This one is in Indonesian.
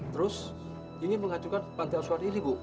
terus ingin mengacukan pantai aswan ini bu